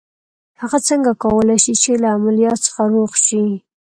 هغه څنګه کولای شي چې له عمليات څخه روغ شي.